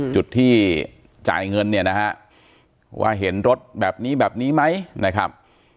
จุดที่จ่ายเงินเนี่ยนะฮะว่าเห็นรถแบบนี้แบบนี้ไหมนะครับ